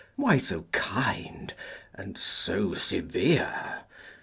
Why so kind, and so severe?